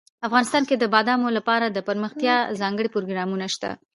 افغانستان کې د بادامو لپاره دپرمختیا ځانګړي پروګرامونه شته.